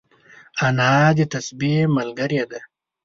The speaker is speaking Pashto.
انا د تسبيح ملګرې ده